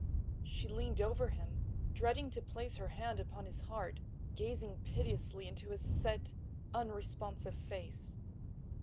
She leaned over him, dreading to place her hand upon his heart, gazing piteously into his set, unresponsive face.